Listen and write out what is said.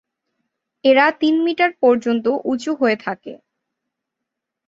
এরা তিন মিটার পর্যন্ত উঁচু হয়ে থাকে।